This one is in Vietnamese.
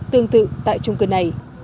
tương tự tại trung cư này